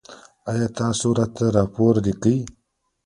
ایا تاسو راته راپور لیکئ؟